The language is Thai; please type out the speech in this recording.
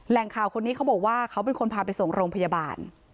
ข่าวคนนี้เขาบอกว่าเขาเป็นคนพาไปส่งโรงพยาบาล